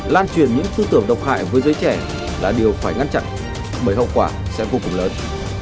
lan truyền những tư tưởng độc hại với giới trẻ là điều phải ngăn chặn bởi hậu quả sẽ vô cùng lớn